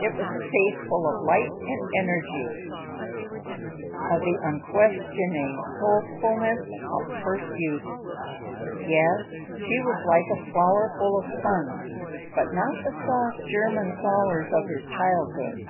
It was a face full of light and energy, of the unquestioning hopefulness of first youth. Yes, she was like a flower full of sun, but not the soft German flowers of his childhood.